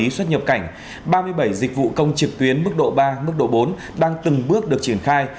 xuất nhập cảnh ba mươi bảy dịch vụ công trực tuyến mức độ ba mức độ bốn đang từng bước được triển khai